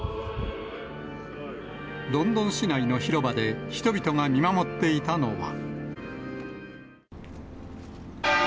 ロンドン市内の広場で、人々が見守っていたのは。